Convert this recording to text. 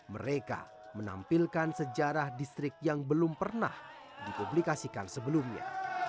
mereka menampilkan sejarah distrik yang belum pernah dipublikasikan sebelumnya